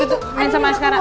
tuh tuh main sama ascara